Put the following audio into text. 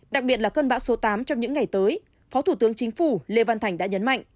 đặc biệt là cơn bão số tám trong những ngày tới phó thủ tướng chính phủ lê văn thành đã nhấn mạnh